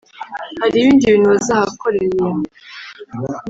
hari ibindi bintu bazahakorerea